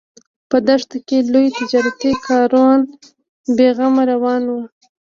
په دښته کې لوی تجارتي کاروان بې غمه روان و.